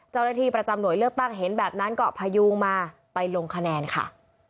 เจ้าหน้าที่ประจำหน่วยเลือกตั้งเห็นแบบนั้นก็พยุงมาไปลงคะแนนค่ะ